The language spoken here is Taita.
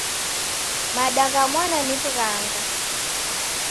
Mada gha mwana ni w'ughanga.